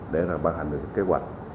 để bàn hành kế hoạch